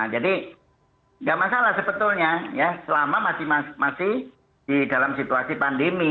jadi tidak masalah sebetulnya ya selama masih di dalam situasi pandemi